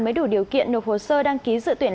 mới đủ điều kiện nộp hồ sơ đăng ký dự tuyển